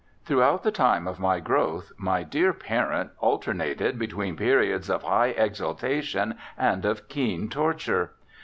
Throughout the time of my growth my dear parent alternated between periods of high exultation and of keen torture.